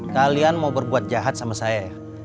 kalian mau berbuat jahat sama saya